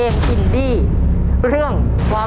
ขอบคุณครับ